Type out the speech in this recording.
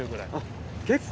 結構。